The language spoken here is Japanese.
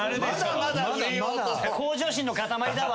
向上心の塊だわ。